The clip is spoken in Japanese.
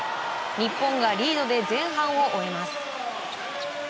日本がリードして前半を終えます。